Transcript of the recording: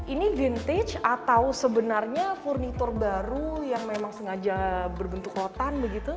ini vintage atau sebenarnya furnitur baru yang memang sengaja berbentuk rotan begitu